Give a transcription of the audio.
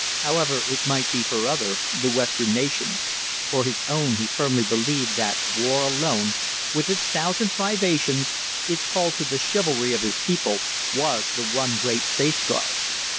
However it might be for other, the Western nations, for his own he firmly believed that war alone, with its thousand privations, its call to the chivalry of his people, was the one great safeguard.